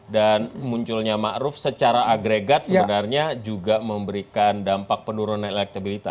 dan munculnya ma'ruf secara agregat sebenarnya juga memberikan dampak penurunan elektabilitas